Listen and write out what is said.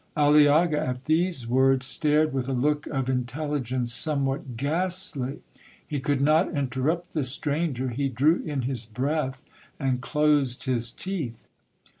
Aliaga, at these words, stared with a look of intelligence somewhat ghastly. He could not interrupt the stranger—he drew in his breath, and closed his teeth.